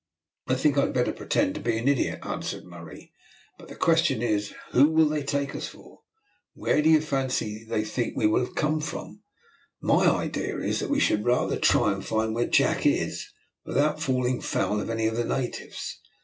I think I had better pretend to be an idiot," answered Murray. "But the question is, who will they take us for? where do you fancy they will think we have come from? My idea is that we should rather try and find where Jack is, without falling foul of any of the natives.